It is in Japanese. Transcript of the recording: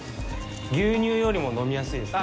牛乳よりも飲みやすいです。